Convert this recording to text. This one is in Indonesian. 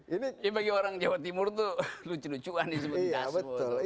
ini bagi orang jawa timur itu lucu lucuan disebut kasur